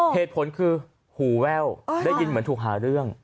เหตุผลคือหูแว่วได้ยินเหมือนถูกหาเรื่อง